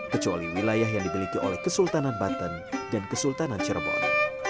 kecuali wilayah yang dimiliki oleh kesultanan banten dan kesultanan cirebon